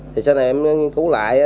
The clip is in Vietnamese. thì sau này em nghiên cứu lại